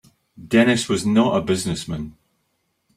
Dennis was not a business man.